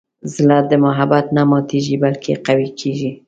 زړه د محبت نه ماتیږي، بلکې قوي کېږي.